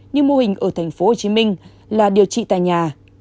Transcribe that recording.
như mô hình ở tp hcm là điều trị tại nhà